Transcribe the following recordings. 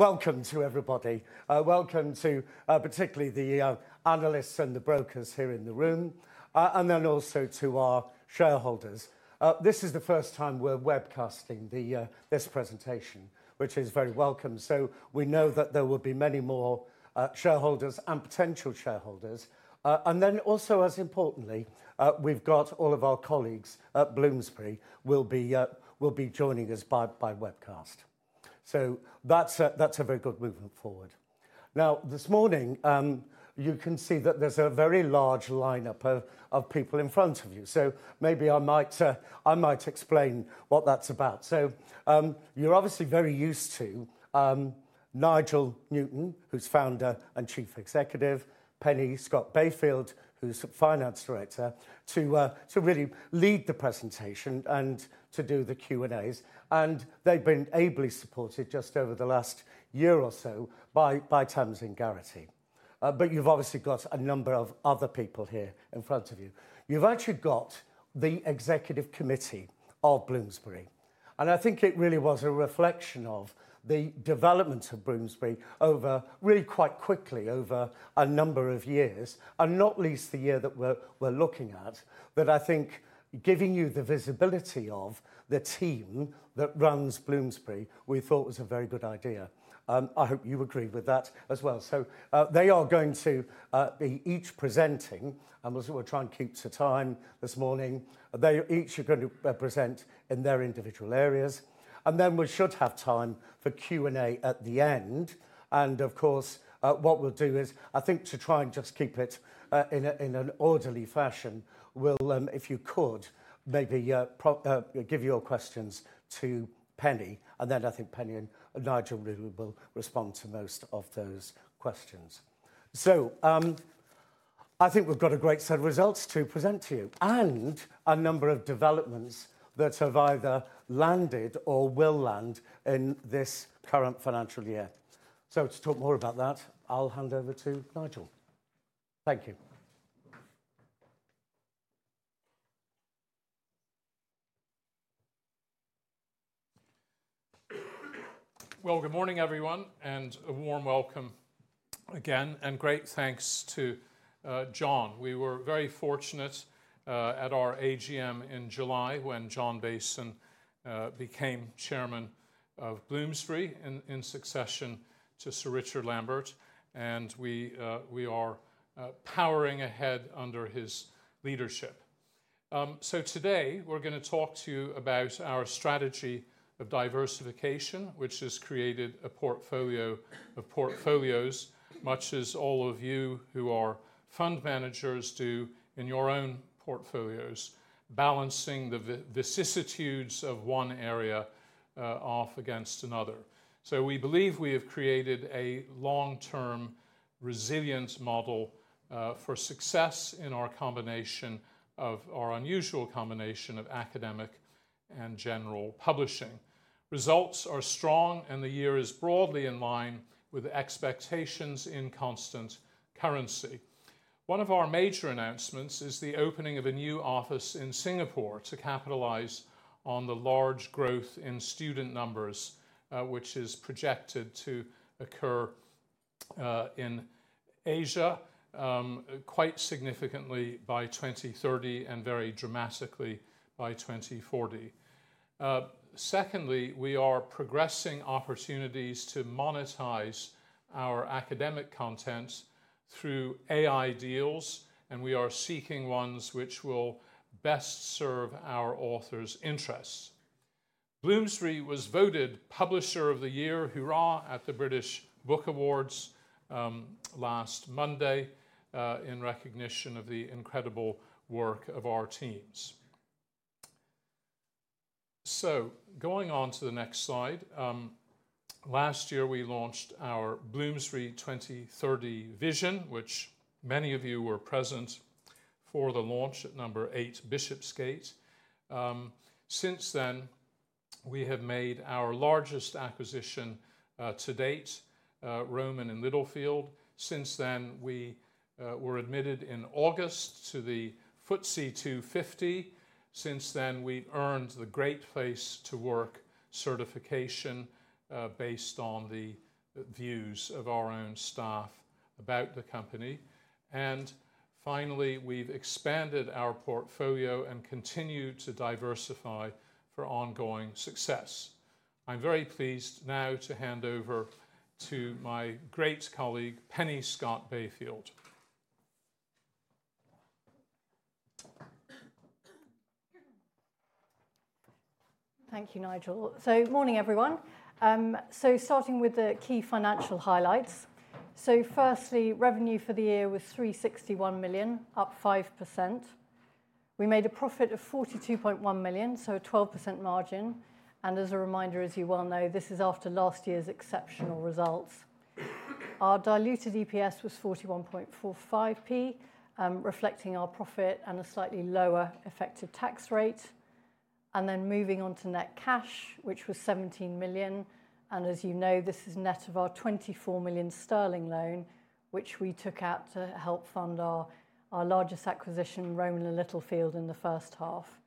Welcome to everybody. Welcome to particularly the analysts and the brokers here in the room, and then also to our shareholders. This is the first time we're webcasting this presentation, which is very welcome. We know that there will be many more shareholders and potential shareholders. Also, as importantly, we've got all of our colleagues at Bloomsbury will be joining us by webcast. That is a very good movement forward. Now, this morning, you can see that there's a very large lineup of people in front of you. Maybe I might explain what that's about. You're obviously very used to Nigel Newton, who's Founder and Chief Executive, Penny Scott-Bayfield, who's Finance Director, to really lead the presentation and to do the Q&As. They've been ably supported just over the last year or so by Tamsin Garrity. You have obviously got a number of other people here in front of you. You have actually got the executive committee of Bloomsbury. I think it really was a reflection of the development of Bloomsbury over really quite quickly, over a number of years, and not least the year that we are looking at, that I think giving you the visibility of the team that runs Bloomsbury, we thought was a very good idea. I hope you agree with that as well. They are going to be each presenting, and we will try and keep to time this morning. They each are going to present in their individual areas. We should have time for Q&A at the end. Of course, what we will do is, I think to try and just keep it in an orderly fashion, if you could, maybe give your questions to Penny. I think Penny and Nigel really will respond to most of those questions. I think we have a great set of results to present to you and a number of developments that have either landed or will land in this current financial year. To talk more about that, I will hand over to Nigel. Thank you. Good morning, everyone, and a warm welcome again. Great thanks to John. We were very fortunate at our AGM in July when John Bason became Chairman of Bloomsbury in succession to Sir Richard Lambert. We are powering ahead under his leadership. Today, we are going to talk to you about our strategy of diversification, which has created a portfolio of portfolios, much as all of you who are fund managers do in your own portfolios, balancing the vicissitudes of one area off against another. We believe we have created a long-term resilience model for success in our combination of our unusual combination of academic and general publishing. Results are strong, and the year is broadly in line with expectations in constant currency. One of our major announcements is the opening of a new office in Singapore to capitalize on the large growth in student numbers, which is projected to occur in Asia quite significantly by 2030 and very dramatically by 2040. Secondly, we are progressing opportunities to monetize our academic content through AI deals, and we are seeking ones which will best serve our authors' interests. Bloomsbury was voted Publisher of the Year at the British Book Awards last Monday in recognition of the incredible work of our teams. Going on to the next slide, last year, we launched our Bloomsbury 2030 vision, which many of you were present for the launch at Number Eight, Bishopsgate. Since then, we have made our largest acquisition to date, Rowman & Littlefield. Since then, we were admitted in August to the FTSE 250. Since then, we've earned the Great Place to Work certification based on the views of our own staff about the company. Finally, we've expanded our portfolio and continue to diversify for ongoing success. I'm very pleased now to hand over to my great colleague, Penny Scott-Bayfield. Thank you, Nigel. Morning, everyone. Starting with the key financial highlights. Firstly, revenue for the year was 361 million, up 5%. We made a profit of 42.1 million, a 12% margin. As a reminder, as you well know, this is after last year's exceptional results. Our diluted EPS was 0.4145, reflecting our profit and a slightly lower effective tax rate. Moving on to net cash, which was 17 million. As you know, this is net of our 24 million sterling starling loan, which we took out to help fund our largest acquisition, Rowman & Littlefield, in the first half.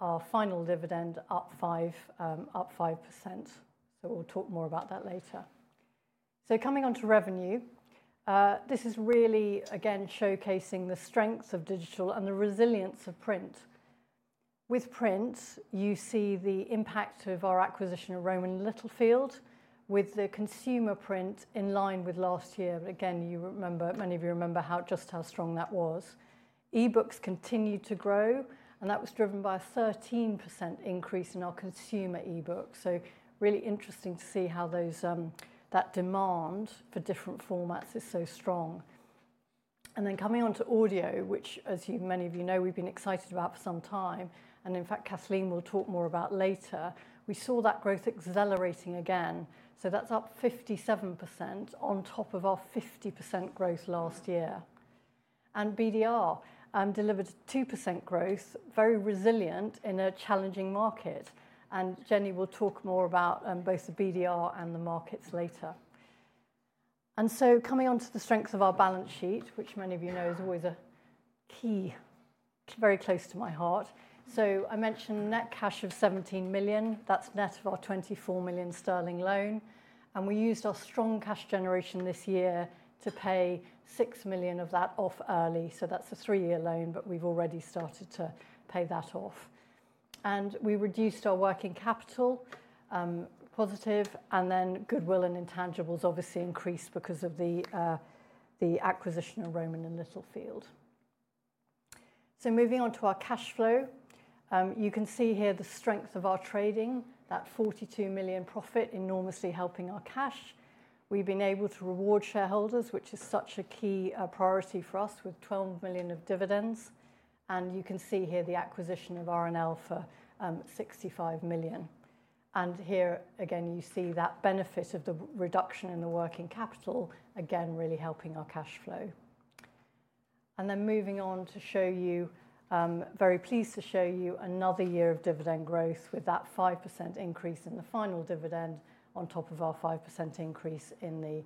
Our final dividend, up 5%. We will talk more about that later. Coming on to revenue, this is really, again, showcasing the strengths of digital and the resilience of print. With print, you see the impact of our acquisition of Rowman & Littlefield, with the consumer print in line with last year. Many of you remember just how strong that was. E-books continued to grow, and that was driven by a 13% increase in our consumer e-books. Really interesting to see how that demand for different formats is so strong. Coming on to audio, which, as many of you know, we have been excited about for some time, and in fact, Kathleen will talk more about later, we saw that growth accelerating again. That is up 57% on top of our 50% growth last year. BDR delivered a 2% growth, very resilient in a challenging market. Jenny will talk more about both the BDR and the markets later. Coming on to the strengths of our balance sheet, which many of you know is always a key, very close to my heart. I mentioned net cash of 17 million. That is net of our 24 million sterling starling loan. We used our strong cash generation this year to pay 6 million of that off early. That is a three-year loan, but we have already started to pay that off. We reduced our working capital positive. Goodwill and intangibles obviously increased because of the acquisition of Rowman & Littlefield. Moving on to our cash-flow, you can see here the strength of our trading, that 42 million profit, enormously helping our cash. We have been able to reward shareholders, which is such a key priority for us, with 12 million of dividends. You can see here the acquisition of RNL for 65 million. Here, again, you see that benefit of the reduction in the working capital, again, really helping our cash flow. Moving on to show you, very pleased to show you another year of dividend growth with that 5% increase in the final dividend on top of our 5% increase in the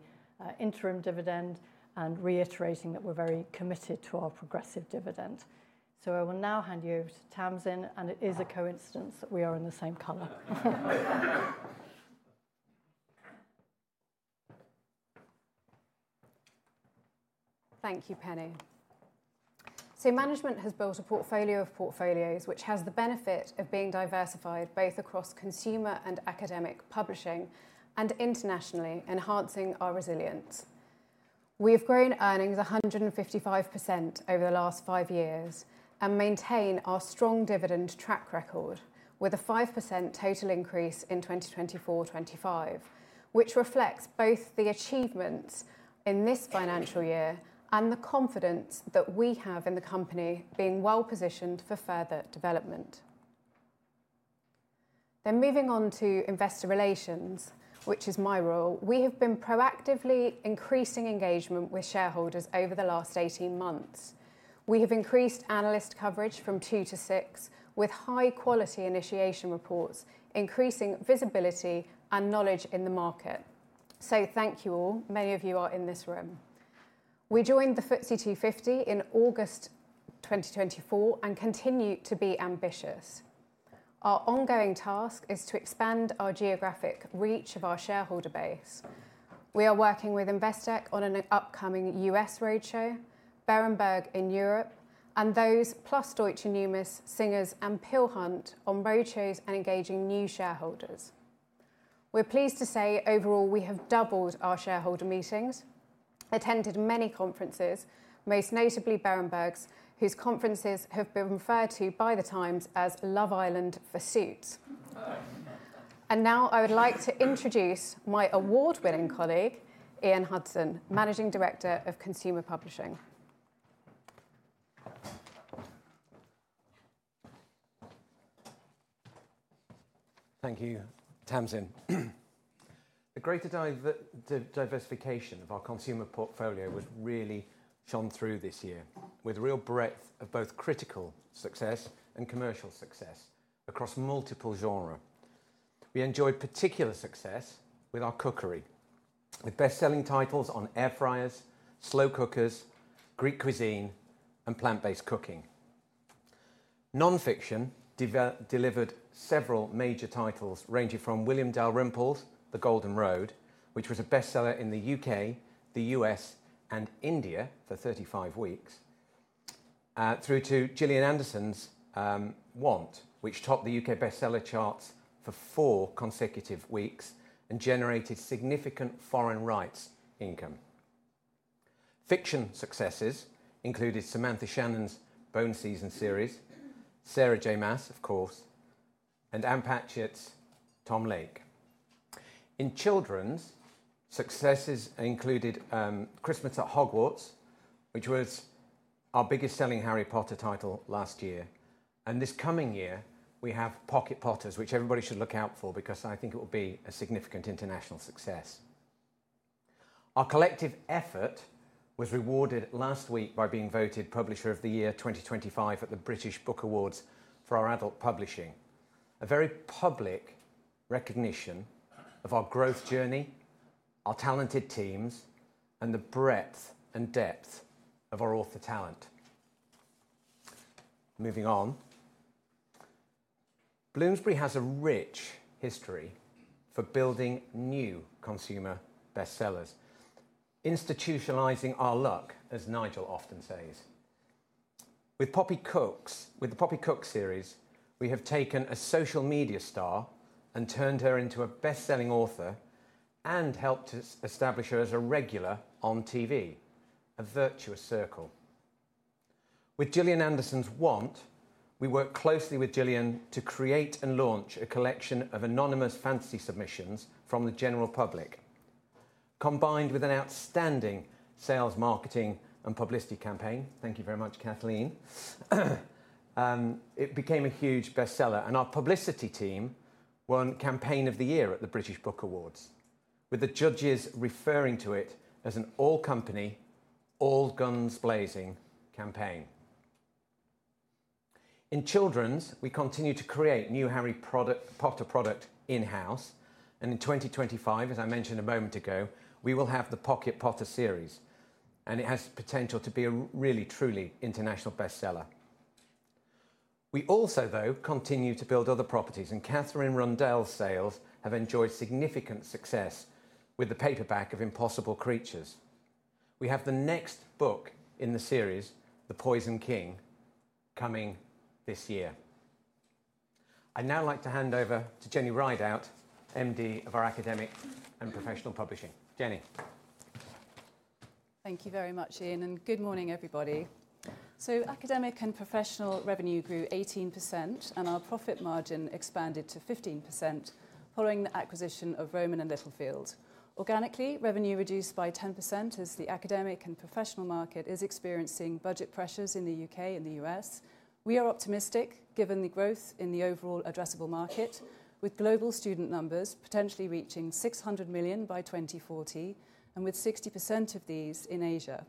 interim dividend and reiterating that we're very committed to our progressive dividend. I will now hand you over to Tamsin, and it is a coincidence that we are in the same color. Thank you, Penny. Management has built a portfolio of portfolios, which has the benefit of being diversified both across consumer and academic publishing and internationally, enhancing our resilience. We have grown earnings 155% over the last five years and maintain our strong dividend track record with a 5% total increase in 2024-2025, which reflects both the achievements in this financial year and the confidence that we have in the company being well positioned for further development. Moving on to investor relations, which is my role, we have been proactively increasing engagement with shareholders over the last 18 months. We have increased analyst coverage from two to six with high-quality initiation reports, increasing visibility and knowledge in the market. Thank you all. Many of you are in this room. We joined the FTSE 250 in August 2024 and continue to be ambitious. Our ongoing task is to expand our geographic reach of our shareholder base. We are working with Investec on an upcoming U..S roadshow, Berenberg in Europe, and those plus Deutsche Numis, Singer Capital Markets, and Peel Hunt on roadshows and engaging new shareholders. We're pleased to say overall we have doubled our shareholder meetings, attended many conferences, most notably Berenberg's, whose conferences have been referred to by the Times as Love Island for suits. I would like to introduce my award-winning colleague, Ian Hudson, Managing Director of Consumer Publishing. Thank you, Tamsin. The greater diversification of our consumer portfolio was really shone through this year with real breadth of both critical success and commercial success across multiple genres. We enjoyed particular success with our cookery, with best-selling titles on air fryers, slow cookers, Greek cuisine, and plant-based cooking. Nonfiction delivered several major titles ranging from William Dalrymple's The Golden Road, which was a bestseller in the U.K., the U.S., and India for 35 weeks, through to Gillian Anderson's Want, which topped the U.K. bestseller charts for four consecutive weeks and generated significant foreign rights income. Fiction successes included Samantha Shannon's Bone Season series, Sarah J. Maas, of course, and Ann Patchett's Tom Lake. In children's successes included Christmas at Hogwarts, which was our biggest-selling Harry Potter title last year. This coming year, we have Pocket Potters, which everybody should look out for because I think it will be a significant international success. Our collective effort was rewarded last week by being voted Publisher of the Year 2025 at the British Book Awards for our adult publishing, a very public recognition of our growth journey, our talented teams, and the breadth and depth of our author talent. Moving on, Bloomsbury has a rich history for building new consumer bestsellers, institutionalizing our luck, as Nigel often says. With Poppy Cooks, with the Poppy Cooks series, we have taken a social media star and turned her into a bestselling author and helped us establish her as a regular on TV, a virtuous circle. With Gillian Anderson's Want, we worked closely with Gillian to create and launch a collection of anonymous fantasy submissions from the general public, combined with an outstanding sales, marketing, and publicity campaign. Thank you very much, Kathleen. It became a huge bestseller. Our publicity team won Campaign of the Year at the British Book Awards, with the judges referring to it as an all-company all-guns blazing campaign. In children's, we continue to create new Harry Potter product in-house. In 2025, as I mentioned a moment ago, we will have the Pocket Potter series. It has potential to be a really, truly international bestseller. We also, though, continue to build other properties. Kathryn Rundell's sales have enjoyed significant success with the paperback of Impossible Creatures. We have the next book in the series, The Poison King, coming this year. I'd now like to hand over to Jenny Ridout, MD of our academic and professional publishing. Jenny. Thank you very much, Ian. Good morning, everybody. Academic and professional revenue grew 18%, and our profit margin expanded to 15% following the acquisition of Rowman & Littlefield. Organically, revenue reduced by 10% as the academic and professional market is experiencing budget pressures in the U.K. and the U.S. We are optimistic given the growth in the overall addressable market, with global student numbers potentially reaching 600 million by 2040 and with 60% of these in Asia.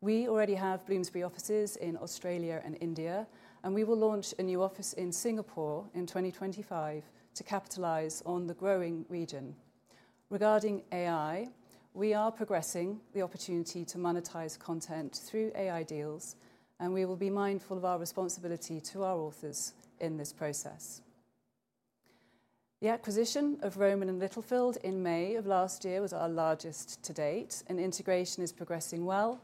We already have Bloomsbury offices in Australia and India, and we will launch a new office in Singapore in 2025 to capitalize on the growing region. Regarding AI, we are progressing the opportunity to monetize content through AI deals, and we will be mindful of our responsibility to our authors in this process. The acquisition of Rowman & Littlefield in May of last year was our largest to date, and integration is progressing well.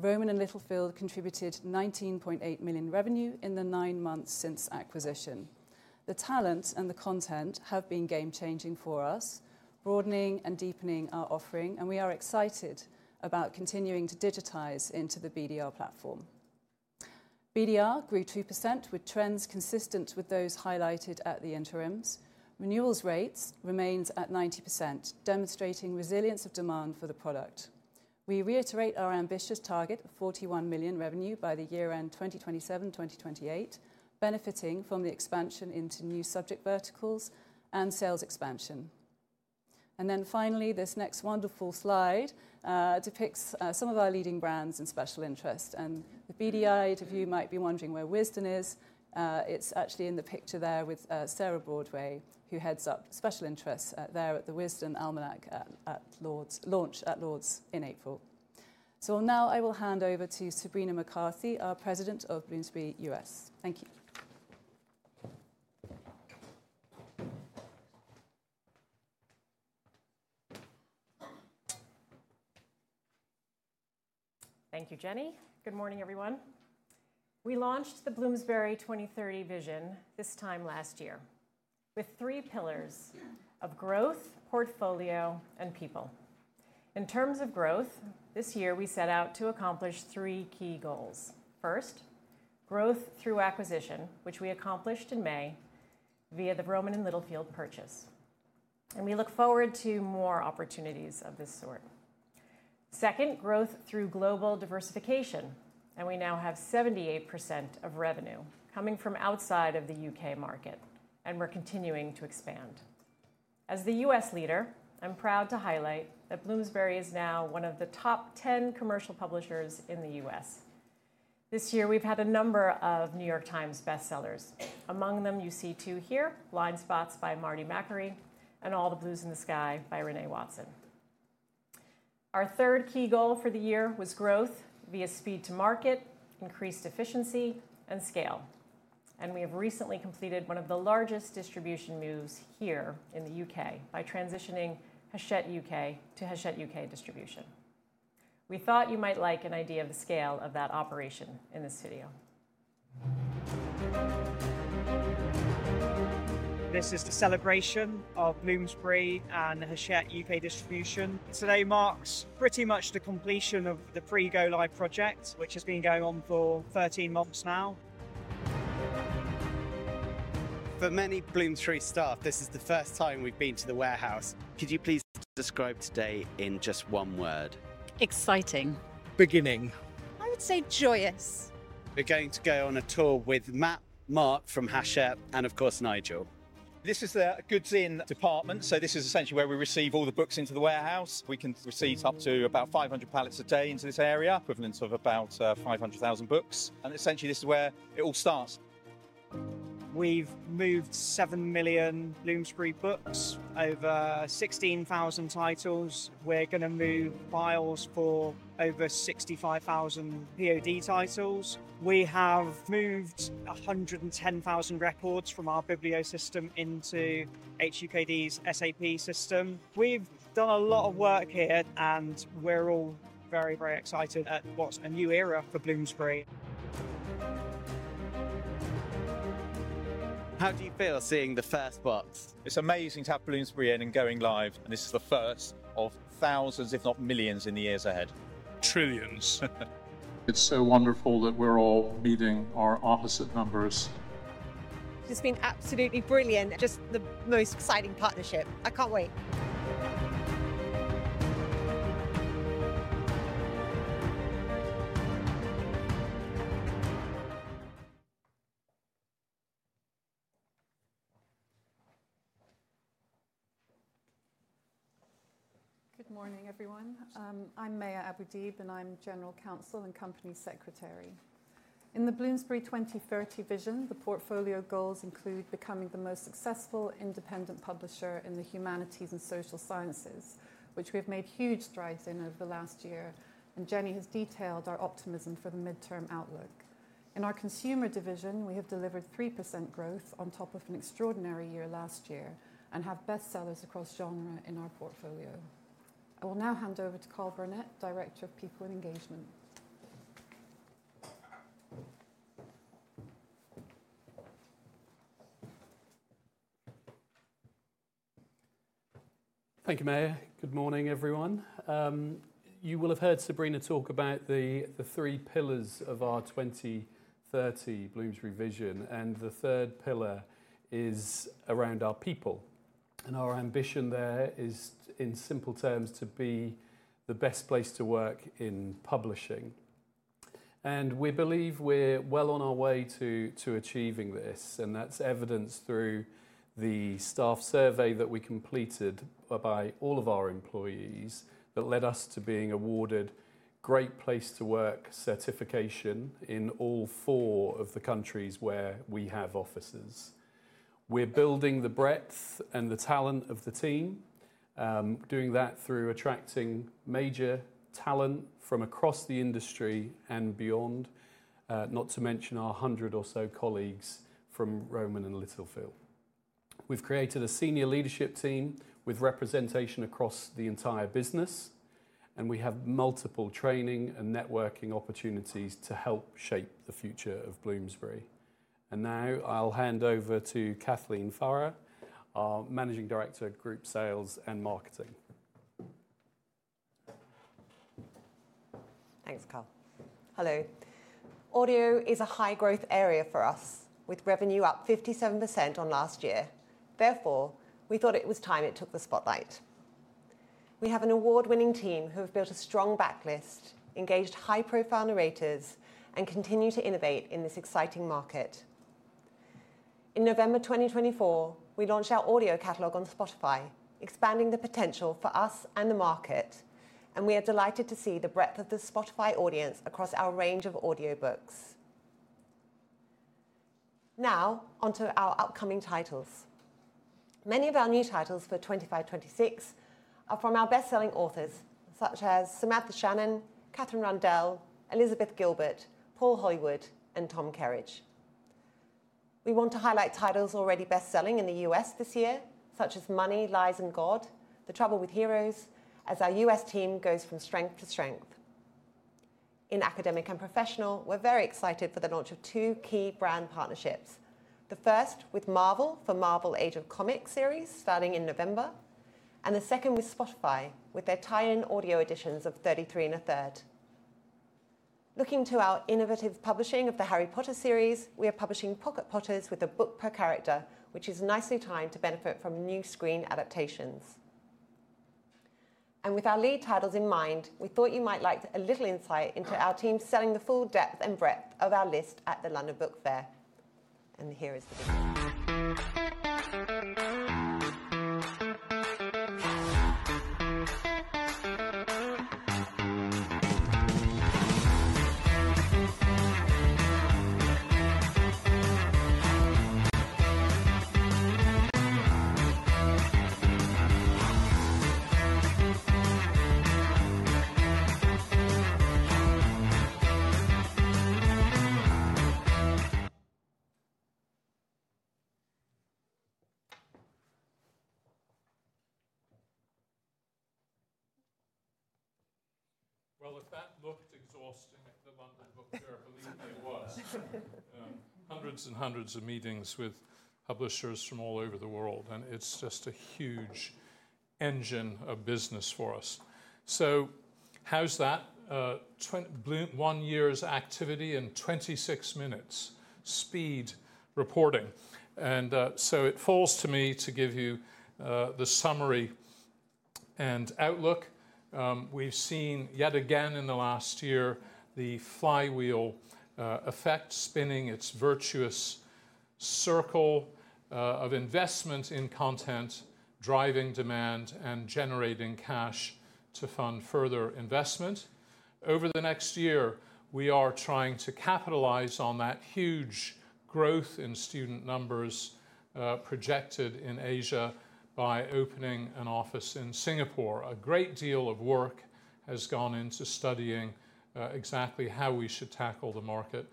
Rowman & Littlefield contributed 19.8 million revenue in the nine months since acquisition. The talent and the content have been game-changing for us, broadening and deepening our offering, and we are excited about continuing to digitize into the BDR platform. BDR grew 2% with trends consistent with those highlighted at the interims. Renewal rates remained at 90%, demonstrating resilience of demand for the product. We reiterate our ambitious target of 41 million revenue by the year-end 2027-2028, benefiting from the expansion into new subject verticals and sales expansion. This next wonderful slide depicts some of our leading brands in special interest. With BDI, if you might be wondering where Wisden is, it is actually in the picture there with Sarah Broadway, who heads up special interests there at the Wisden Almanack at launch at Lord's in April. I will now hand over to Sabrina McCarthy, our President of Bloomsbury U.S. Thank you. Thank you, Jenny. Good morning, everyone. We launched the Bloomsbury 2030 vision this time last year with three pillars of growth, portfolio, and people. In terms of growth, this year, we set out to accomplish three key goals. First, growth through acquisition, which we accomplished in May via the Rowman & Littlefield purchase. We look forward to more opportunities of this sort. Second, growth through global diversification. We now have 78% of revenue coming from outside of the U.K. market, and we are continuing to expand. As the U.S. leader, I am proud to highlight that Bloomsbury is now one of the top 10 commercial publishers in the U.S. This year, we have had a number of New York Times bestsellers. Among them, you see two here, Blind Spots by Marty Makary, and All the Blues in the Sky by Renee Watson. Our third key goal for the year was growth via speed to market, increased efficiency, and scale. We have recently completed one of the largest distribution moves here in the U.K. by transitioning Hachette U.K. to Hachette U.K. distribution. We thought you might like an idea of the scale of that operation in this video. This is the celebration of Bloomsbury and the Hachette U.K. distribution. Today marks pretty much the completion of the pre-go live project, which has been going on for 13 months now. For many Bloomsbury staff, this is the first time we've been to the warehouse. Could you please describe today in just one word? Exciting. Beginning. I would say joyous. We're going to go on a tour with Matt, Mark from Hachette, and of course, Nigel. This is the goods in department. This is essentially where we receive all the books into the warehouse. We can receive up to about 500 pallets a day into this area, equivalent of about 500,000 books. Essentially, this is where it all starts. We have moved 7 million Bloomsbury books, over 16,000 titles. We are going to move files for over 65,000 POD titles. We have moved 110,000 records from our Biblio system into Hachette U.K.'s SAP system. We have done a lot of work here, and we are all very, very excited at what is a new era for Bloomsbury. How do you feel seeing the first box? It's amazing to have Bloomsbury in and going live. This is the first of thousands, if not millions, in the years ahead. Trillions. It's so wonderful that we're all meeting our opposite numbers. It's been absolutely brilliant. Just the most exciting partnership. I can't wait. Good morning, everyone. I'm Maya Abu-Deeb, and I'm General Counsel and Company Secretary. In the Bloomsbury 2030 vision, the portfolio goals include becoming the most successful independent publisher in the humanities and social sciences, which we have made huge strides in over the last year. Jenny has detailed our optimism for the midterm outlook. In our consumer division, we have delivered 3% growth on top of an extraordinary year last year and have bestsellers across genre in our portfolio. I will now hand over to Karl Burnett, Director of People and Engagement. Thank you, Maya. Good morning, everyone. You will have heard Sabrina talk about the three pillars of our 2030 Bloomsbury vision. The third pillar is around our people. Our ambition there is, in simple terms, to be the best place to work in publishing. We believe we're well on our way to achieving this. That is evidenced through the staff survey that we completed by all of our employees that led us to being awarded Great Place to Work certification in all four of the countries where we have offices. We're building the breadth and the talent of the team, doing that through attracting major talent from across the industry and beyond, not to mention our hundred or so colleagues from Rowman & Littlefield. We've created a senior leadership team with representation across the entire business. We have multiple training and networking opportunities to help shape the future of Bloomsbury. Now I'll hand over to Kathleen Farrar, our Managing Director of Group Sales and Marketing. Thanks, Karl. Hello. Audio is a high-growth area for us, with revenue up 57% on last year. Therefore, we thought it was time it took the spotlight. We have an award-winning team who have built a strong backlist, engaged high-profile narrators, and continue to innovate in this exciting market. In November 2024, we launched our audio catalog on Spotify, expanding the potential for us and the market. We are delighted to see the breadth of the Spotify audience across our range of audiobooks. Now onto our upcoming titles. Many of our new titles for 2025-2026 are from our bestselling authors such as Samantha Shannon, Kathryn Rundell, Elizabeth Gilbert, Paul Hollywood, and Tom Kerridge. We want to highlight titles already bestselling in the US this year, such as Money, Lies, and God, The Trouble with Heroes, as our U.S. team goes from strength to strength. In academic and professional, we're very excited for the launch of two key brand partnerships. The first with Marvel for Marvel Age of Comics series, starting in November, and the second with Spotify with their tie-in audio editions of 33 1/3. Looking to our innovative publishing of the Harry Potter series, we are publishing Pocket Potters with a book per character, which is nicely timed to benefit from new screen adaptations. With our lead titles in mind, we thought you might like a little insight into our team selling the full depth and breadth of our list at the London Book Fair. Here is the video. If that looked exhausting at the London Book Fair, I believe it was. Hundreds and hundreds of meetings with publishers from all over the world. It is just a huge engine of business for us. How is that? One year's activity in 26 minutes speed reporting. It falls to me to give you the summary and outlook. We have seen yet again in the last year the flywheel effect spinning its virtuous circle of investment in content, driving demand and generating cash to fund further investment. Over the next year, we are trying to capitalize on that huge growth in student numbers projected in Asia by opening an office in Singapore. A great deal of work has gone into studying exactly how we should tackle the market.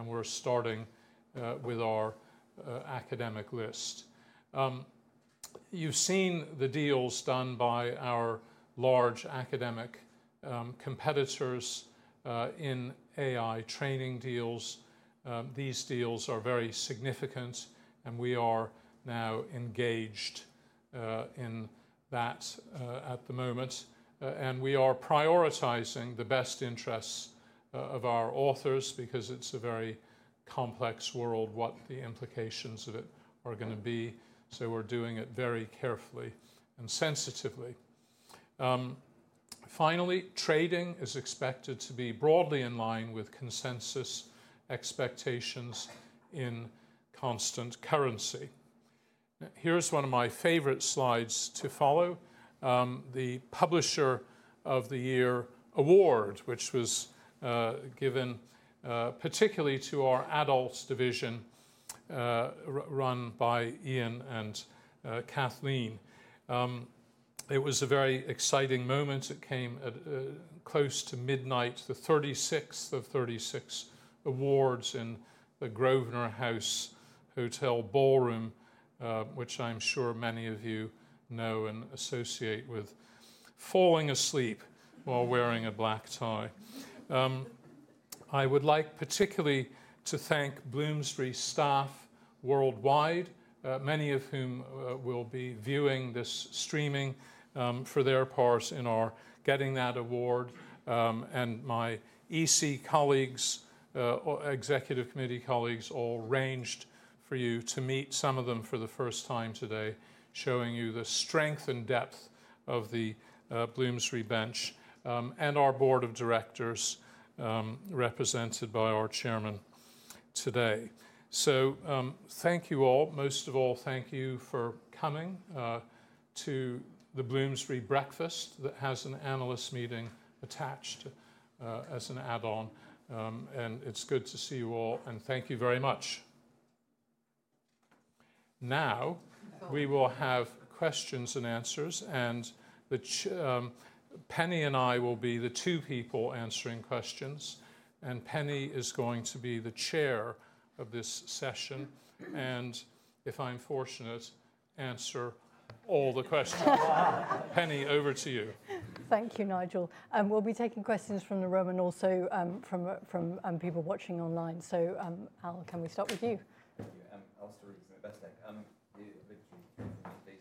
We are starting with our academic list. You have seen the deals done by our large academic competitors in AI training deals. These deals are very significant. We are now engaged in that at the moment. We are prioritizing the best interests of our authors because it is a very complex world what the implications of it are going to be. We are doing it very carefully and sensitively. Finally, trading is expected to be broadly in line with consensus expectations in constant currency. Here is one of my favorite slides to follow, the Publisher of the Year award, which was given particularly to our adults division run by Ian and Kathleen. It was a very exciting moment. It came close to midnight, the 36th of 36 awards in the Grosvenor House Hotel Ballroom, which I am sure many of you know and associate with falling asleep while wearing a black tie. I would like particularly to thank Bloomsbury staff worldwide, many of whom will be viewing this streaming for their part in our getting that award. And my EC colleagues, executive committee colleagues, all ranged for you to meet some of them for the first time today, showing you the strength and depth of the Bloomsbury bench and our board of directors represented by our Chairman today. So thank you all. Most of all, thank you for coming to the Bloomsbury breakfast that has an analyst meeting attached as an add-on. It is good to see you all. Thank you very much. Now we will have questions and answers. Penny and I will be the two people answering questions. Penny is going to be the chair of this session. If I am fortunate, answer all the questions. Penny, over to you. Thank you, Nigel. We'll be taking questions from the room and also from people watching online. Al, can we start with you? Thank you. Alastair Rubenson, Best Tech.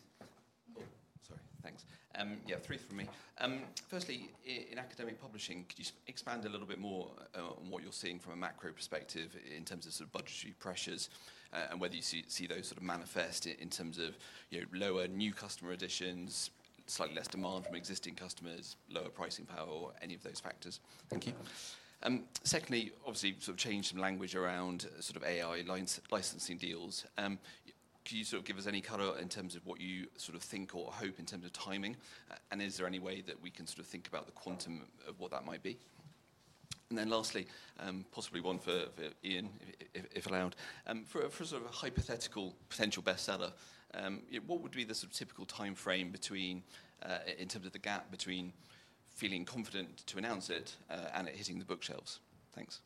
Sorry. Thanks. Yeah, three from me. Firstly, in academic publishing, could you expand a little bit more on what you're seeing from a macro perspective in terms of sort of budgetary pressures and whether you see those sort of manifest in terms of lower new customer additions, slightly less demand from existing customers, lower pricing power, or any of those factors? Thank you. Secondly, obviously, sort of change in language around sort of AI licensing deals. Could you sort of give us any color in terms of what you sort of think or hope in terms of timing? And is there any way that we can sort of think about the quantum of what that might be? And then lastly, possibly one for Ian, if allowed. For sort of a hypothetical potential bestseller, what would be the sort of typical time frame in terms of the gap between feeling confident to announce it and it hitting the bookshelves? Thanks.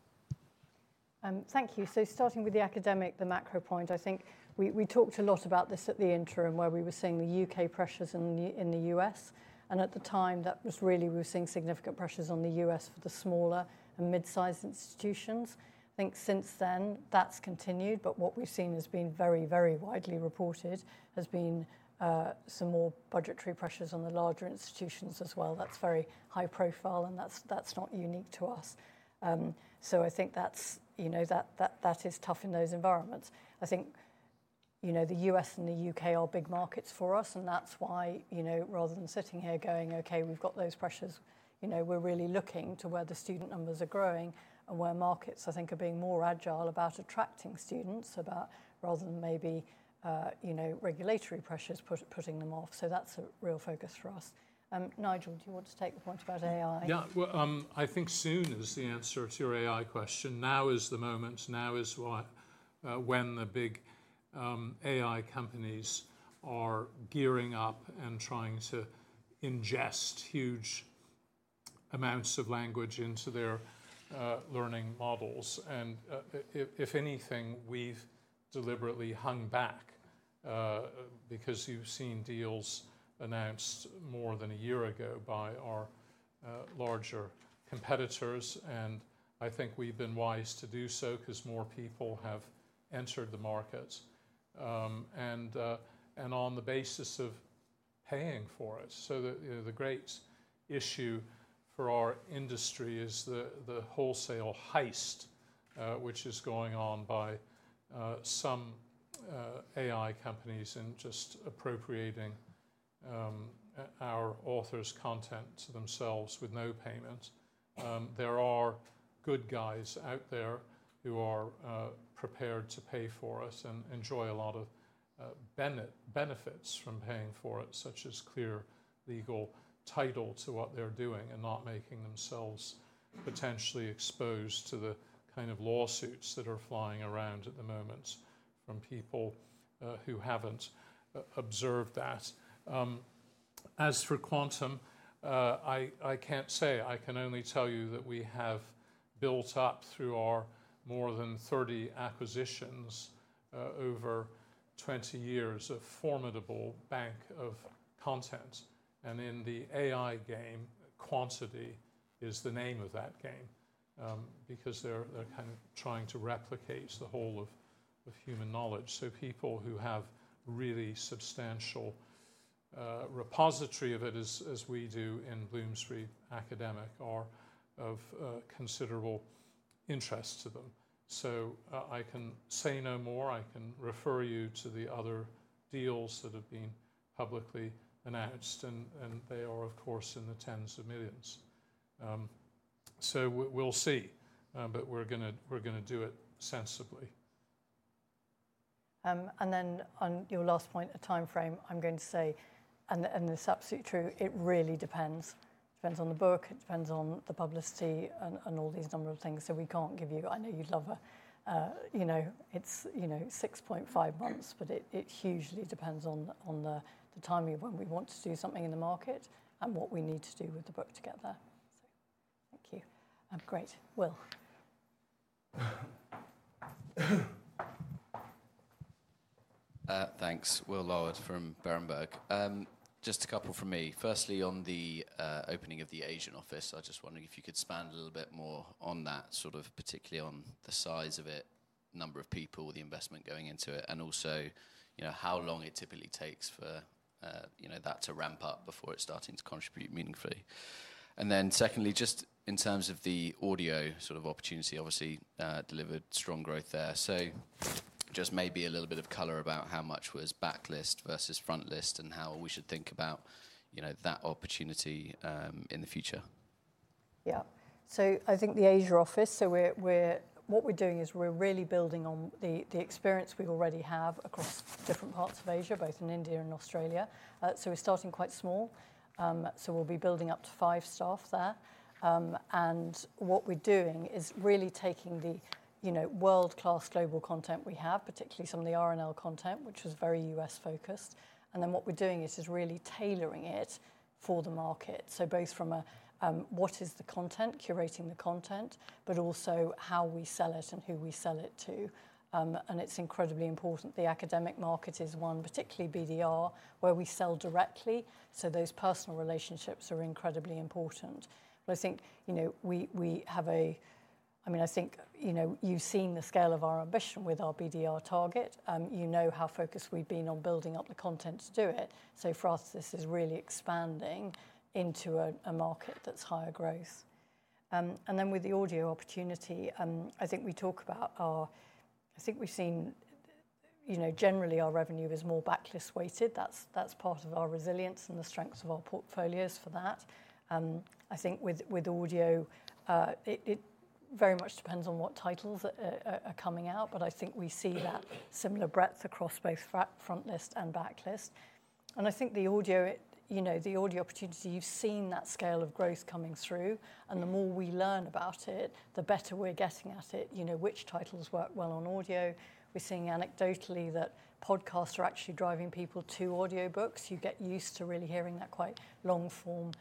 Thank you. Starting with the academic, the macro point, I think we talked a lot about this at the interim where we were seeing the U.K. pressures in the U.S. At the time, that was really we were seeing significant pressures on the U.S. for the smaller and mid-sized institutions. I think since then, that's continued. What we've seen has been very, very widely reported has been some more budgetary pressures on the larger institutions as well. That's very high profile. That's not unique to us. I think that is tough in those environments. I think the U.S. and the U.K. are big markets for us. That is why, rather than sitting here going, okay, we have got those pressures, we are really looking to where the student numbers are growing and where markets, I think, are being more agile about attracting students rather than maybe regulatory pressures putting them off. That is a real focus for us. Nigel, do you want to take the point about AI? Yeah. I think soon is the answer to your AI question. Now is the moment. Now is when the big AI companies are gearing up and trying to ingest huge amounts of language into their learning models. If anything, we've deliberately hung back because you've seen deals announced more than a year ago by our larger competitors. I think we've been wise to do so because more people have entered the markets and on the basis of paying for it. The great issue for our industry is the wholesale heist, which is going on by some AI companies and just appropriating our authors' content to themselves with no payment. There are good guys out there who are prepared to pay for us and enjoy a lot of benefits from paying for it, such as clear legal title to what they're doing and not making themselves potentially exposed to the kind of lawsuits that are flying around at the moment from people who have not observed that. As for quantum, I cannot say. I can only tell you that we have built up through our more than 30 acquisitions over 20 years a formidable bank of content. In the AI game, quantity is the name of that game because they are kind of trying to replicate the whole of human knowledge. People who have a really substantial repository of it, as we do in Bloomsbury Academic, are of considerable interest to them. I can say no more. I can refer you to the other deals that have been publicly announced. They are, of course, in the tens of millions. We will see. We are going to do it sensibly. On your last point, the time frame, I'm going to say, and this is absolutely true, it really depends. It depends on the book. It depends on the publicity and all these number of things. We can't give you, I know you'd love it, it's 6.5 months. It hugely depends on the timing when we want to do something in the market and what we need to do with the book to get there. Thank you. Great. Will. Thanks. Will Loward from Berenberg. Just a couple from me. Firstly, on the opening of the Asian office, I just wondered if you could spend a little bit more on that, sort of particularly on the size of it, number of people, the investment going into it, and also how long it typically takes for that to ramp up before it's starting to contribute meaningfully. Secondly, just in terms of the audio sort of opportunity, obviously delivered strong growth there. Just maybe a little bit of color about how much was backlist versus frontlist and how we should think about that opportunity in the future. Yeah. I think the Asia office, what we're doing is we're really building on the experience we already have across different parts of Asia, both in India and Australia. We're starting quite small. We'll be building up to five staff there. What we're doing is really taking the world-class global content we have, particularly some of the RNL content, which was very US-focused. What we're doing is really tailoring it for the market, both from what is the content, curating the content, but also how we sell it and who we sell it to. It's incredibly important. The academic market is one, particularly BDR, where we sell directly. Those personal relationships are incredibly important. I think we have a, I mean, I think you've seen the scale of our ambition with our BDR target. You know how focused we've been on building up the content to do it. For us, this is really expanding into a market that's higher growth. With the audio opportunity, I think we talk about our, I think we've seen generally our revenue is more backlist-weighted. That's part of our resilience and the strengths of our portfolios for that. I think with audio, it very much depends on what titles are coming out. I think we see that similar breadth across both frontlist and backlist. I think the audio opportunity, you've seen that scale of growth coming through. The more we learn about it, the better we're getting at it, which titles work well on audio. We're seeing anecdotally that podcasts are actually driving people to audiobooks. You get used to really hearing that quite long form,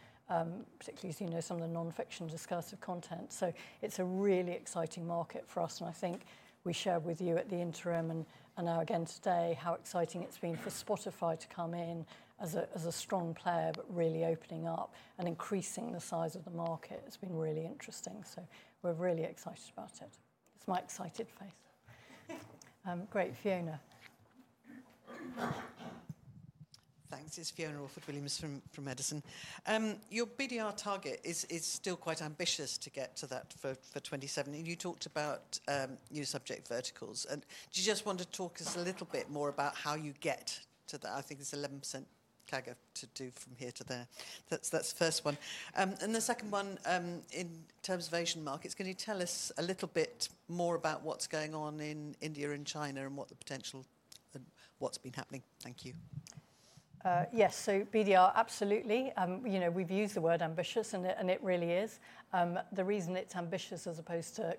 particularly some of the non-fiction discursive content. It's a really exciting market for us. I think we shared with you at the interim and now again today how exciting it's been for Spotify to come in as a strong player, but really opening up and increasing the size of the market has been really interesting. We're really excited about it. It's my excited face. Great. Fiona. Thanks. It is Fiona Rawford Williams from Edison. Your BDR target is still quite ambitious to get to that for 2027. You talked about new subject verticals. Do you just want to talk us a little bit more about how you get to that? I think there is 11% CAGR to do from here to there. That is the first one. The second one, in terms of Asian markets, can you tell us a little bit more about what is going on in India and China and what the potential, what has been happening? Thank you. Yes. So BDR, absolutely. We've used the word ambitious. And it really is. The reason it's ambitious as opposed to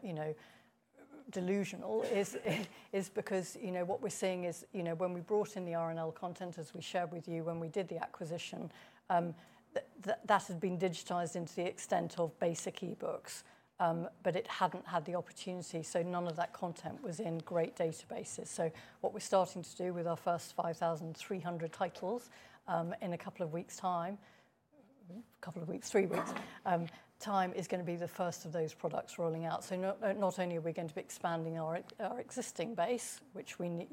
delusional is because what we're seeing is when we brought in the RNL content, as we shared with you when we did the acquisition, that had been digitized into the extent of basic e-books. But it hadn't had the opportunity. So none of that content was in great databases. What we're starting to do with our first 5,300 titles in a couple of weeks' time, a couple of weeks, three weeks' time is going to be the first of those products rolling out. Not only are we going to be expanding our existing base, which we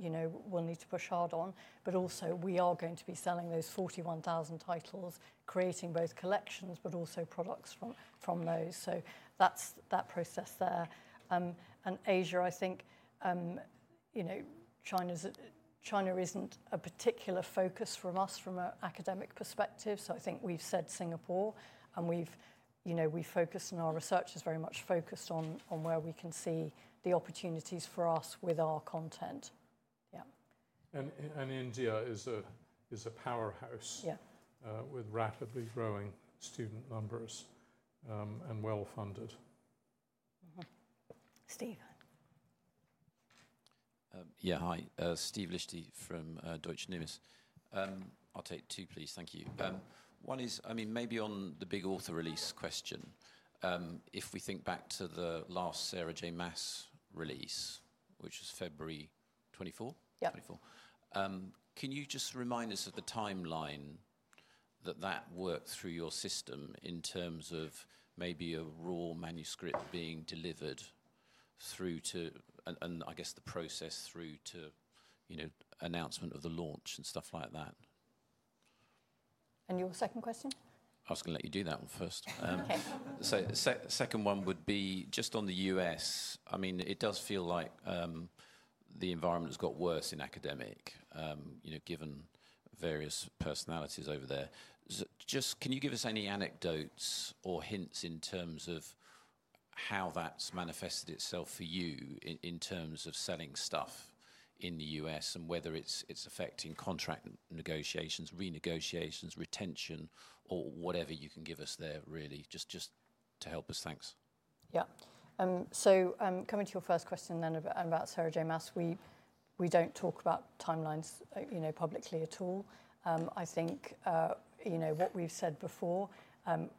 will need to push hard on, but also we are going to be selling those 41,000 titles, creating both collections but also products from those. That's that process there. Asia, I think China is not a particular focus for us from an academic perspective. I think we have said Singapore. Our research is very much focused on where we can see the opportunities for us with our content. Yeah. India is a powerhouse with rapidly growing student numbers and well funded. Steve. Yeah. Hi. Steve Lischte from Deutsche Numis. I'll take two, please. Thank you. One is, I mean, maybe on the big author release question. If we think back to the last Sarah J. Maas release, which was February 2024, can you just remind us of the timeline that that worked through your system in terms of maybe a raw manuscript being delivered through to and I guess the process through to announcement of the launch and stuff like that? Your second question? I was going to let you do that one first. Okay. Second one would be just on the US. I mean, it does feel like the environment has got worse in academic given various personalities over there. Just can you give us any anecdotes or hints in terms of how that's manifested itself for you in terms of selling stuff in the US and whether it's affecting contract negotiations, renegotiations, retention, or whatever you can give us there, really, just to help us. Thanks. Yeah. Coming to your first question then about Sarah J. Maas, we do not talk about timelines publicly at all. I think what we have said before,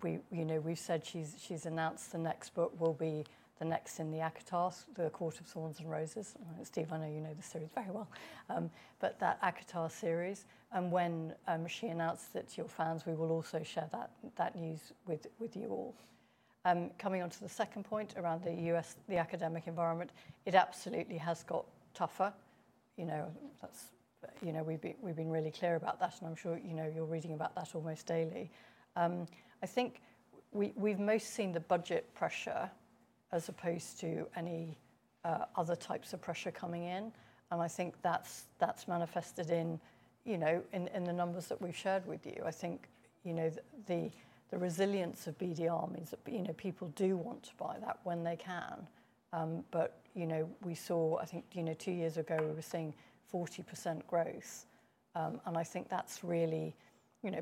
we have said she has announced the next book will be the next in the ACOTAR, A Court of Thorns and Roses. Steve, I know you know the series very well. That ACOTAR series, when she announces it to her fans, we will also share that news with you all. Coming on to the second point around the academic environment, it absolutely has got tougher. We have been really clear about that. I am sure you are reading about that almost daily. I think we have most seen the budget pressure as opposed to any other types of pressure coming in. I think that has manifested in the numbers that we have shared with you. I think the resilience of BDR means that people do want to buy that when they can. We saw, I think two years ago, we were seeing 40% growth. I think that's really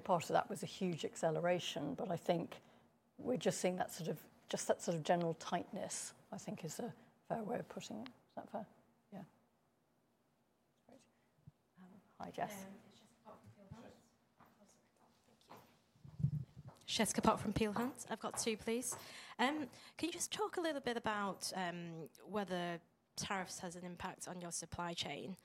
part of that was a huge acceleration. I think we're just seeing that sort of just that sort of general tightness, I think, is a fair way of putting it. Is that fair? Yeah. Great. Hi, Jess. Hi. It's Jessica Park from Peel Hunt. Sure. Thank you. Jessica Park from Peel Hunt. I've got two, please. Can you just talk a little bit about whether tariffs has an impact on your supply chain?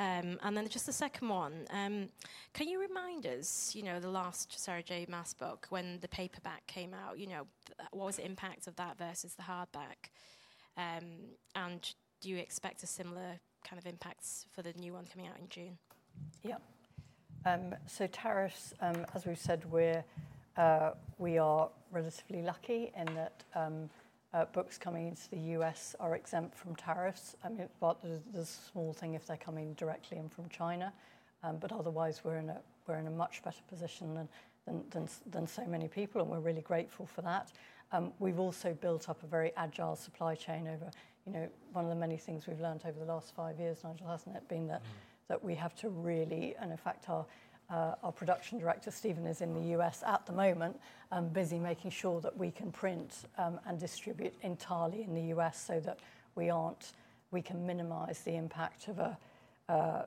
And then just the second one. Can you remind us the last Sarah J. Maas book, when the paperback came out, what was the impact of that versus the hardback? And do you expect a similar kind of impact for the new one coming out in June? Yeah. Tariffs, as we've said, we are relatively lucky in that books coming into the U.S. are exempt from tariffs. I mean, there's a small thing if they're coming directly in from China. Otherwise, we're in a much better position than so many people. We're really grateful for that. We've also built up a very agile supply chain over one of the many things we've learned over the last five years, Nigel, hasn't it? Being that we have to really, and in fact, our Production Director, Steven, is in the U.S. at the moment busy making sure that we can print and distribute entirely in the U.S. so that we can minimize the impact of a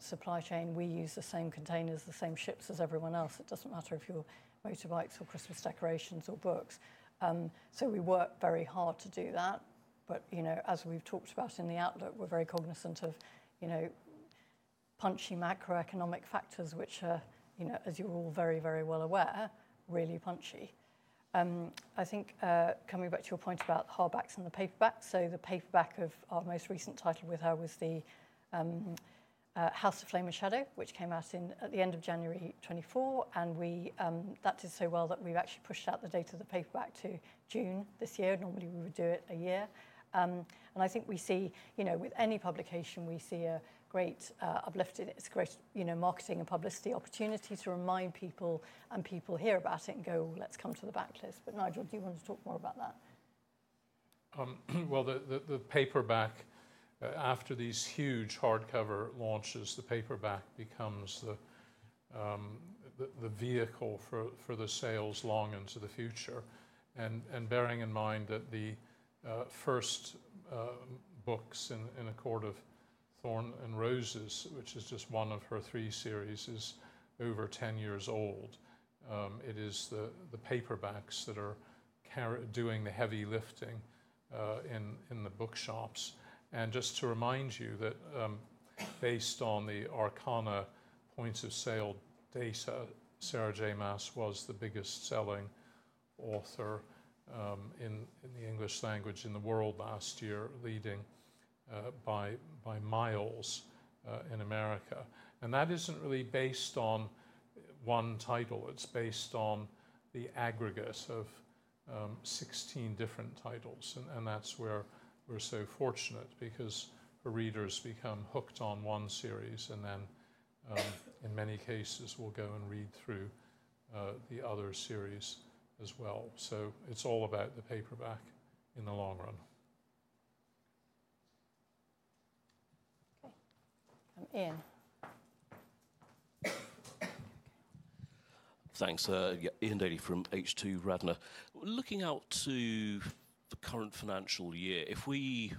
supply chain. We use the same containers, the same ships as everyone else. It doesn't matter if you're motorbikes or Christmas decorations or books. We work very hard to do that. As we have talked about in the outlook, we are very cognizant of punchy macroeconomic factors, which are, as you are all very, very well aware, really punchy. I think coming back to your point about the hardbacks and the paperback, the paperback of our most recent title with her was House of Flame and Shadow, which came out at the end of January 2024. That did so well that we have actually pushed out the date of the paperback to June this year. Normally, we would do it a year. I think we see with any publication, we see a great uplift in its great marketing and publicity opportunity to remind people, and people hear about it and go, "Let's come to the backlist." Nigel, do you want to talk more about that? The paperback, after these huge hardcover launches, becomes the vehicle for the sales long into the future. Bearing in mind that the first books in A Court of Thorns and Roses, which is just one of her three series, are over 10 years old, it is the paperbacks that are doing the heavy lifting in the bookshops. Just to remind you that based on the Arkana points of sale data, Sarah J. Maas was the biggest selling author in the English language in the world last year, leading by miles in America. That is not really based on one title. It is based on the aggregate of 16 different titles. That is where we are so fortunate because readers become hooked on one series and then, in many cases, will go and read through the other series as well. It's all about the paperback in the long run. Okay. I'm in. Thanks. Iain Daly from H2 Radnor. Looking out to the current financial year, if we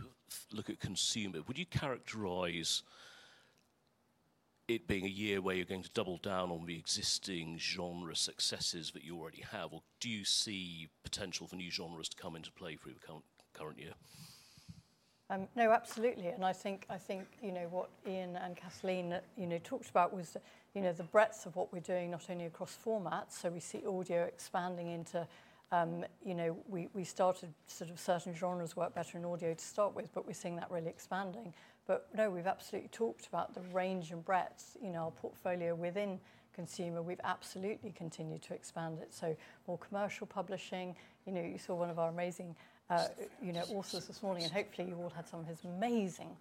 look at consumer, would you characterize it being a year where you're going to double down on the existing genre successes that you already have? Or do you see potential for new genres to come into play for you the current year? No, absolutely. I think what Ian and Kathleen talked about was the breadth of what we are doing, not only across formats. We see audio expanding into—we started, sort of, certain genres work better in audio to start with, but we are seeing that really expanding. No, we have absolutely talked about the range and breadth in our portfolio within consumer. We have absolutely continued to expand it. More commercial publishing. You saw one of our amazing authors this morning, and hopefully, you all had some of his amazing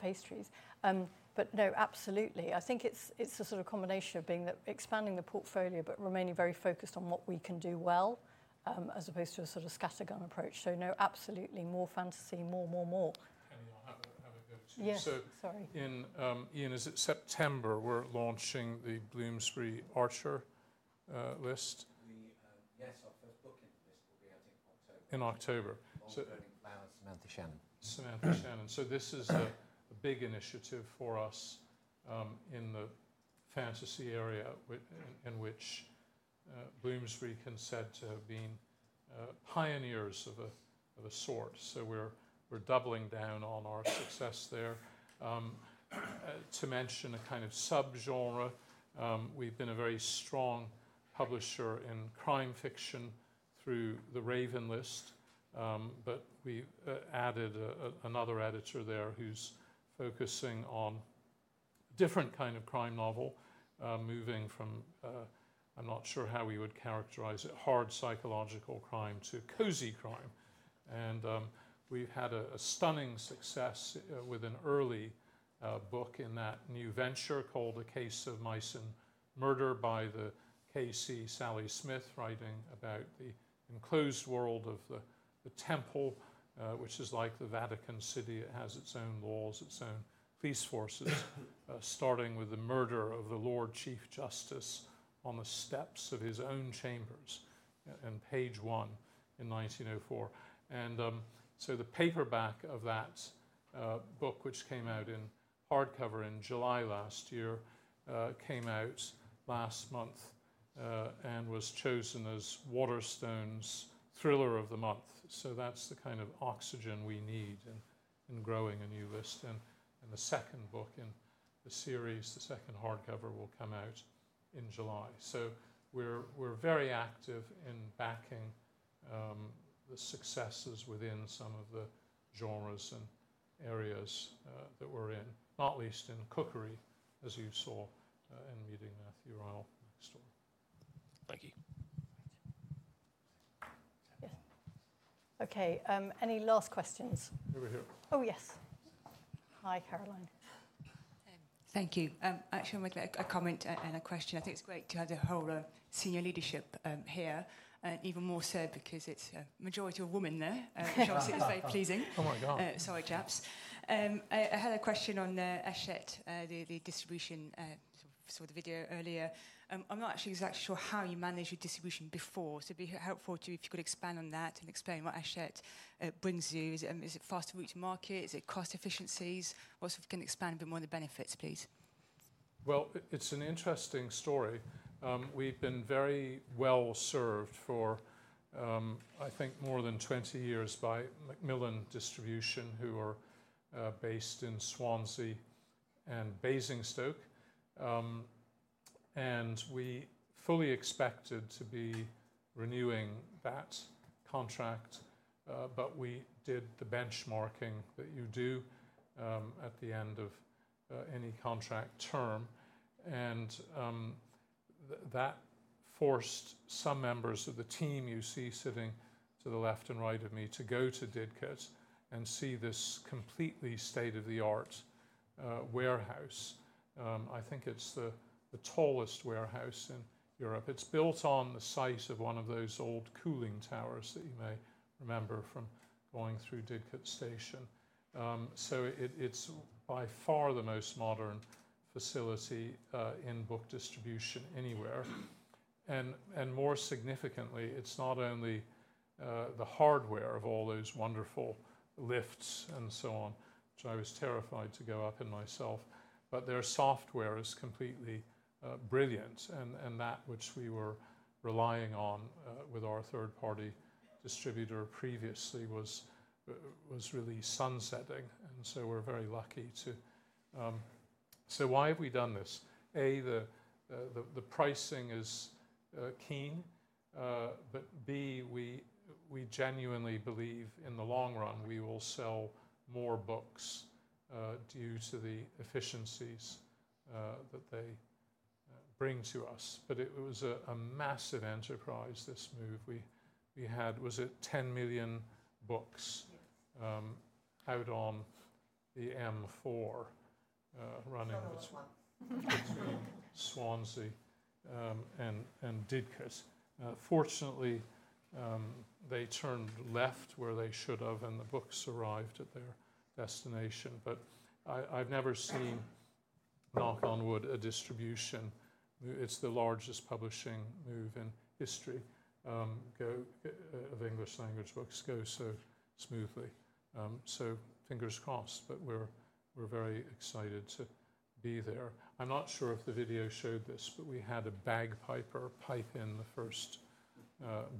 pastries. No, absolutely. I think it is a sort of combination of expanding the portfolio but remaining very focused on what we can do well as opposed to a sort of scatter gun approach. No, absolutely. More fantasy, more, more, more. Can I have a go too? Yes. Sorry. Ian, is it September we're launching the Bloomsbury Archer list? Yes. Our first book in the list will be, I think, October. In October. Also earning flowers, Samantha Shannon. Samantha Shannon. This is a big initiative for us in the fantasy area in which Bloomsbury can be said to have been pioneers of a sort. We are doubling down on our success there. To mention a kind of subgenre, we have been a very strong publisher in crime fiction through The Raven List. We added another editor there who is focusing on a different kind of crime novel, moving from, I am not sure how we would characterize it, hard psychological crime to cozy crime. We have had a stunning success with an early book in that new venture called A Case of Murder in the Temple by Sally Smith, writing about the enclosed world of the temple, which is like the Vatican City. It has its own laws, its own police forces, starting with the murder of the Lord Chief Justice on the steps of his own chambers in page one in 1904. The paperback of that book, which came out in hardcover in July last year, came out last month and was chosen as Waterstones' Thriller of the Month. That is the kind of oxygen we need in growing a new list. The second book in the series, the second hardcover, will come out in July. We are very active in backing the successes within some of the genres and areas that we are in, not least in cookery, as you saw in meeting Matthew Ryle next door. Thank you. Okay. Any last questions? Over here. Oh, yes. Hi, Caroline. Thank you. Actually, I make a comment and a question. I think it's great to have the whole senior leadership here, and even more so because it's a majority of women there, which obviously is very pleasing. Oh, my God. Sorry, chaps. I had a question on the Hachette, the distribution. I saw the video earlier. I'm not actually exactly sure how you managed your distribution before. It'd be helpful if you could expand on that and explain what Hachette brings you. Is it faster route to market? Is it cost efficiencies? Also, if you can expand a bit more on the benefits, please. It's an interesting story. We've been very well served for, I think, more than 20 years by Macmillan Distribution, who are based in Swansea and Basingstoke. We fully expected to be renewing that contract. We did the benchmarking that you do at the end of any contract term. That forced some members of the team you see sitting to the left and right of me to go to Didcot and see this completely state-of-the-art warehouse. I think it's the tallest warehouse in Europe. It's built on the site of one of those old cooling towers that you may remember from going through Didcot Station. It's by far the most modern facility in book distribution anywhere. More significantly, it's not only the hardware of all those wonderful lifts and so on, which I was terrified to go up in myself. Their software is completely brilliant. That, which we were relying on with our third-party distributor previously, was really sunsetting. We are very lucky to—so why have we done this? A, the pricing is keen. B, we genuinely believe in the long run we will sell more books due to the efficiencies that they bring to us. It was a massive enterprise, this move. We had, was it 10 million books out on the M4 running in Swansea and Didcot. Fortunately, they turned left where they should have, and the books arrived at their destination. I have never seen, knock on wood, a distribution move—the largest publishing move in history of English language books—go so smoothly. Fingers crossed. We are very excited to be there. I'm not sure if the video showed this, but we had a bagpiper pipe in the first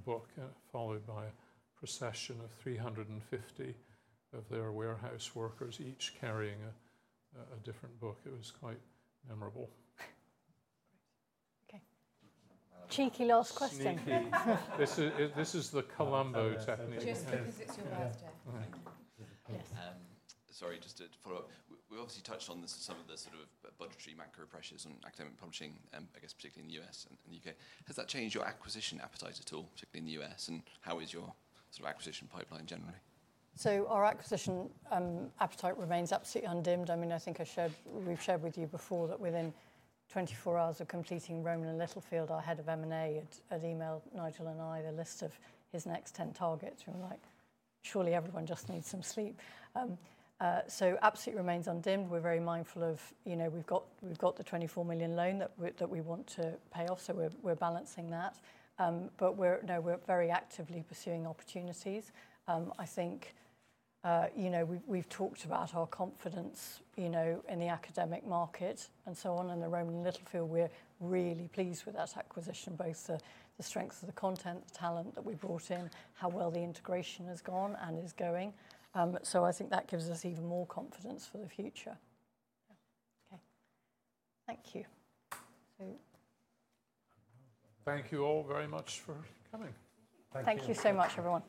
book, followed by a procession of 350 of their warehouse workers, each carrying a different book. It was quite memorable. Okay. Cheeky last question. This is the Columbo technique. Just because it's your birthday. Sorry, just to follow up. We obviously touched on some of the sort of budgetary macro pressures on academic publishing, I guess, particularly in the US and the UK. Has that changed your acquisition appetite at all, particularly in the US? How is your sort of acquisition pipeline generally? Our acquisition appetite remains absolutely undimmed. I mean, I think we've shared with you before that within 24 hours of completing Rowman & Littlefield, our head of M&A had emailed Nigel and I the list of his next 10 targets. We were like, "Surely everyone just needs some sleep." Absolutely remains undimmed. We're very mindful of we've got the 24 million loan that we want to pay off. We're balancing that. No, we're very actively pursuing opportunities. I think we've talked about our confidence in the academic market and so on. The Rowman & Littlefield, we're really pleased with that acquisition, both the strengths of the content, the talent that we brought in, how well the integration has gone and is going. I think that gives us even more confidence for the future. Okay. Thank you. Thank you all very much for coming. Thank you so much, everyone.